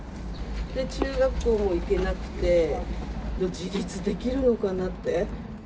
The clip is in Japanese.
中学校も行けなくて、自立できるのかなって。